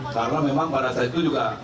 karena memang pada saat itu juga